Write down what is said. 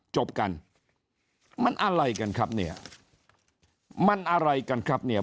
จบกันมันอะไรกันครับเนี่ย